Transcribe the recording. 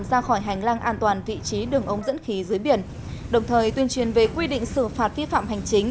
ra khỏi hành lang an toàn vị trí đường ống dẫn khí dưới biển đồng thời tuyên truyền về quy định xử phạt vi phạm hành chính